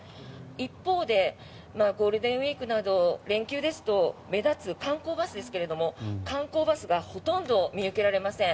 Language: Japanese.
一方で、ゴールデンウィークなど連休ですと目立つ観光バスですが観光バスがほとんど見受けられません。